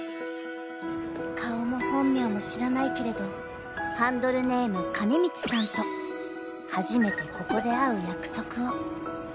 ［顔も本名も知らないけれどハンドルネーム兼光さんと初めてここで会う約束を］